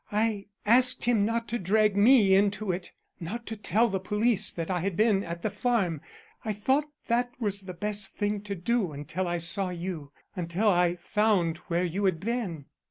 I asked him not to drag me into it not to tell the police that I had been at the farm. I thought that was the best thing to do until I saw you until I found where you had been."